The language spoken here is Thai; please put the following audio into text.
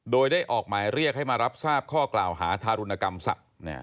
โดยได้ออกหมายเรียกให้มารับทราบข้อกล่าวหาทารุณกรรมสัตว์